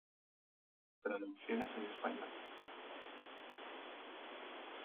Traducciones en español